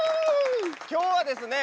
今日はですね